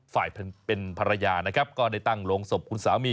ฝ่ายเป็นภรรยานะครับก็ได้ตั้งโรงศพคุณสามี